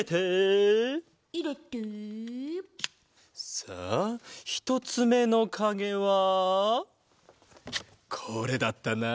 さあひとつめのかげはこれだったな。